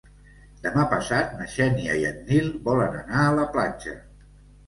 Demà passat na Xènia i en Nil volen anar a la platja.